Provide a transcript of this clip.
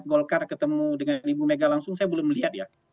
golkar ketemu dengan ibu mega langsung saya belum melihat ya